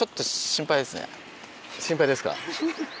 心配ですか？